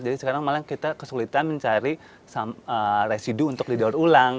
jadi sekarang malah kita kesulitan mencari residu untuk didaur ulang